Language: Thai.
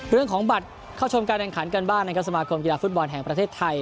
เรื่องของบัตรเข้าชมการแข่งขันกันบ้างนะครับสมาคมกีฬาฟุตบอลแห่งประเทศไทย